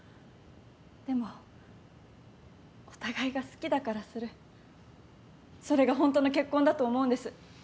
でもお互いが好きだからするそれがホントの結婚だと思うんです。